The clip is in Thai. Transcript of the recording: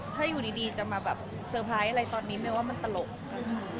ถ้าอยู่ดีจะมาแบบสเวรพยายามอะไรตอนนี้ไม่ว่ามันตลกนะคะ